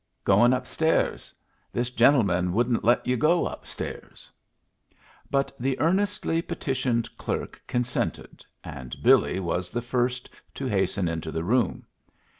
"Goin' up stairs. This gentleman wouldn't let you go up stairs." But the earnestly petitioned clerk consented, and Billy was the first to hasten into the room.